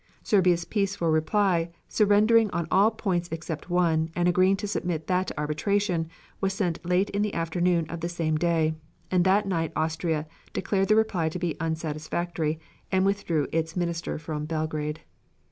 Serbia's peaceful reply surrendering on all points except one, and agreeing to submit that to arbitration, was sent late in the afternoon of the same day, and that night Austria declared the reply to be unsatisfactory and withdrew its minister from Belgrade.